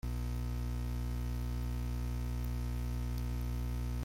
Testigo fue Juan Díaz de Burgos.